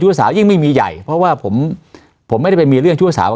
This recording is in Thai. สาวยิ่งไม่มีใหญ่เพราะว่าผมผมไม่ได้ไปมีเรื่องชู้สาว